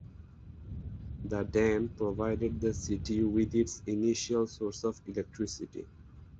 The dam provided the city with its initial source of electricity.